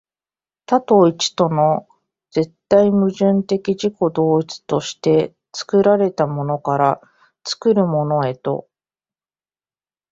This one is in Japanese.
多と一との絶対矛盾的自己同一として、作られたものから作るものへと、